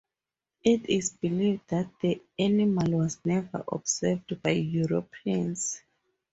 It is believed that the animal was never observed by Europeans.